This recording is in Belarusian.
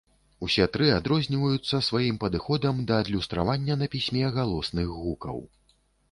Усе тры адрозніваюцца сваім падыходам да адлюстравання на пісьме галосных гукаў.